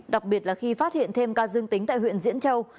đặc biệt là khi phát hiện thêm ca dương tính tại huyện diễn châu